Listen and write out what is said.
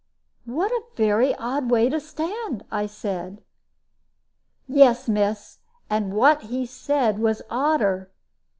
"What a very odd way to stand!" I said. "Yes, miss. And what he said was odder.